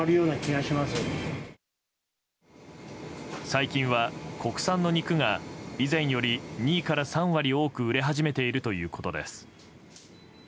最近は、国産の肉が以前より２から３割多く売れ始めているということです。